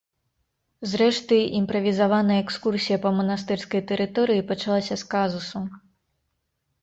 Зрэшты, імправізаваная экскурсія па манастырскай тэрыторыі пачалася з казусу.